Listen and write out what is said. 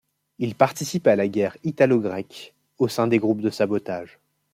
Il participe à la guerre italo-grecque, au sein de groupes de sabotage.